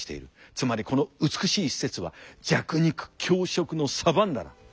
つまりこの美しい施設は弱肉強食のサバンナだ。